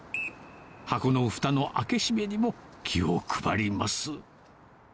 箱のふたの開け閉めにも気を配ります。